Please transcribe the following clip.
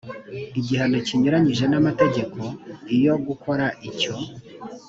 igihano kinyuranyije n amategeko iyo gukora icyo